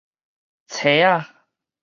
箠仔